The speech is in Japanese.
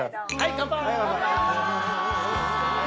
乾杯！